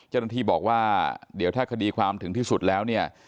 เจ้าหน้าที่บอกว่าเดี๋ยวถ้าคดีความถึงที่สุดแล้วเนี่ย